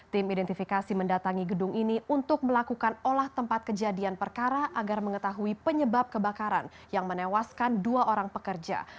tim identifikasi mendatangi gedung ini untuk melakukan olah tempat kejadian perkara agar mengetahui penyebab kebakaran yang menewaskan dua orang pekerja